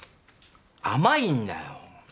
甘いんだよ。えっ？